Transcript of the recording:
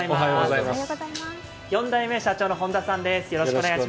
４代目社長の本田さんです。